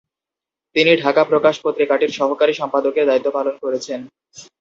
তিনি ঢাকা প্রকাশ পত্রিকাটির সহকারী সম্পাদকের দায়িত্ব পালন করেছেন।